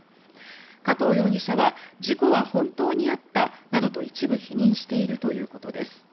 加藤容疑者は事故は本当にあったなどと一部否認しているということです。